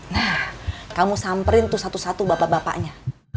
nah kamu samperin tuh satu satu bapak bapaknya